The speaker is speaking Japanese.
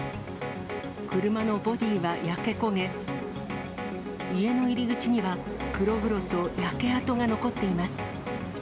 車のボディは焼け焦げ、家の入り口には、黒々と焼け跡が残っています。